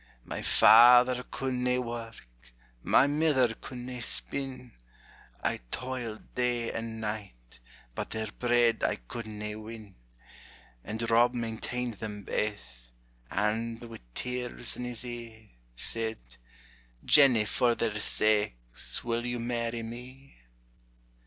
My father couldna work, my mither couldna spin; I toiled day and night, but their bread I couldna win; And Rob maintained them baith, and, wi' tears in his e'e, Said, "Jennie for their sakes, will you marry me?"